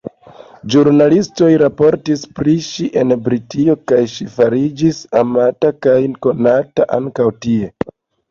Ĵurnalistoj raportis pri ŝi en Britio kaj ŝi fariĝis amata kaj konata ankaŭ tie.